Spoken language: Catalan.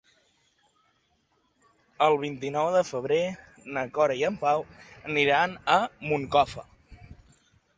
El vint-i-nou de febrer na Cora i en Pau aniran a Moncofa.